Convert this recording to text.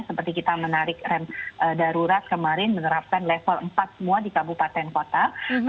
seperti kita menarik rem darurat kemarin menerapkan level empat semua di kabupaten kota